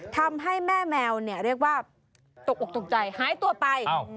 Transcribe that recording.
ทำให้แม่แมวเนี่ยเรียกว่าตกออกตกใจหายตัวไป